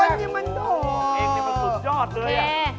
เองนี่มันสุดยอดเลยอ่ะโอเค